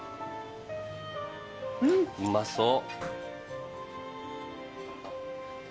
うまそう。